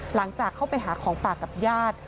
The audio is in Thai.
หลังจากเข้าไปหาของปากกับญาติ